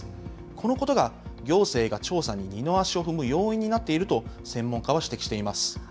このことが行政が調査に二の足を踏む要因になっていると専門家は指摘しています。